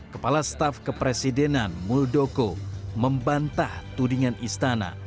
kepala staf kepresidenan muldoko membantah tudingan istana